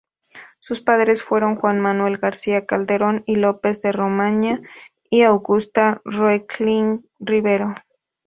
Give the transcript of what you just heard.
Sus padres fueron Juan Manuel García-Calderón y López de Romaña y Augusta Koechlin Rivero.